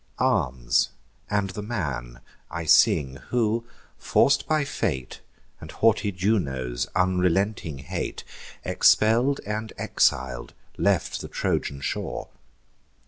Arms, and the man I sing, who, forc'd by fate, And haughty Juno's unrelenting hate, Expell'd and exil'd, left the Trojan shore.